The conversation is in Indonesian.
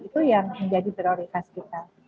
itu yang menjadi prioritas kita